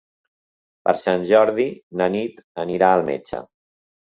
Per Sant Jordi na Nit anirà al metge.